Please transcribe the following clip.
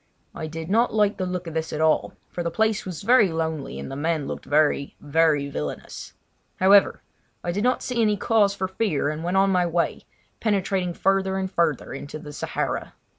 I did not like the look of this at all, for the place was very lonely, and the men looked very, very villainous. However, I did not see any cause for fear, and went on my way, penetrating further and further into the Sahara.